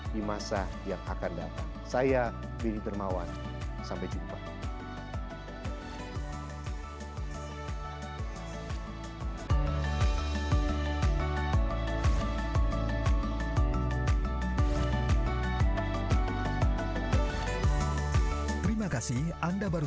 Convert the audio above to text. di masa yang akan datang